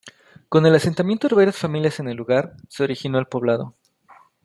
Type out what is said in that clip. Con el asentamiento de varias familias en el lugar, se originó el poblado.